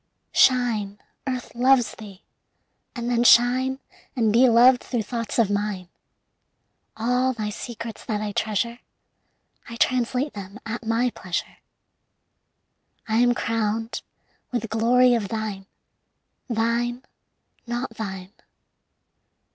Shine, Earth loves thee! And then shine And be loved through thoughts of mine. All thy secrets that I treasure I translate them at my pleasure. I am crowned with glory of thine. Thine, not thine.